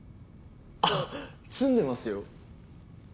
あっ詰んでますよ。